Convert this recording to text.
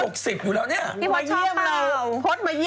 โพธมาเยี่ยมเราในวันโสงกราน